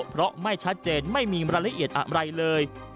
เพราะไม่ชัดเจนไม่มีรายละเอียดอะไรเลย